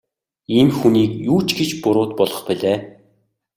Ийм хүнийг юу ч гэж буруут болгох билээ.